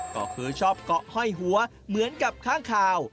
ก็คือชอบเกาะห้อยหัวเหมือนกับข้างคาว